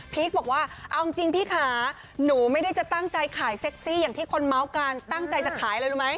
บอกว่าเอาจริงพี่ขาหนูไม่ได้จะตั้งใจขายเซ็กซี่อย่างที่คนเมาส์กันตั้งใจจะขายอะไรรู้ไหม